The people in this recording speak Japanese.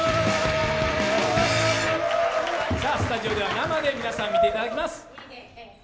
スタジオでは生で見ていただきます。